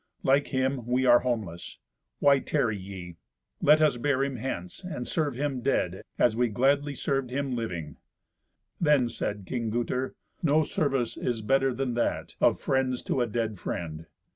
Like him we are homeless. Why tarry ye? Let us bear him hence, and serve him dead, as we had gladly served him living." Then said King Gunther, "No service is better than that of friends to a dead friend.